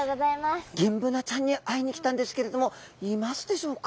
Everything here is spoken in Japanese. ギンブナちゃんに会いに来たんですけれどもいますでしょうか？